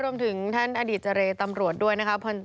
รวมถึงท่านอดีตเจรตำรวจด้วยนะครับ